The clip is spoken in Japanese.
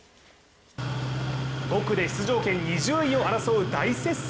５区で出場権２０位を争う大接戦。